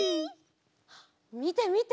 みてみて！